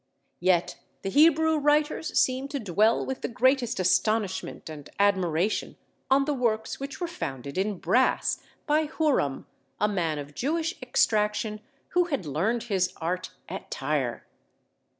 Yet the Hebrew writers seem to dwell with the greatest astonishment and admiration on the works which were founded in brass by Huram, a man of Jewish extraction, who had learned his art at Tyre.